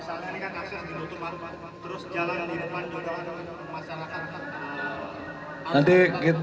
maksudnya selain lain untuk pemerintah